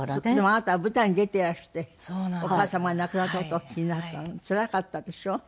あなたは舞台に出ていらしてお母様が亡くなった事をお聞きになったの？つらかったでしょ？